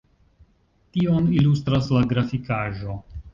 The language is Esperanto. Tion ilustras la grafikaĵo.